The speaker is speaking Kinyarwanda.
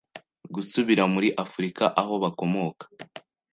gusubira muri Afurika aho bakomoka